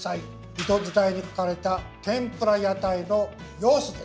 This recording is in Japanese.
江戸時代に描かれた天ぷら屋台の様子です。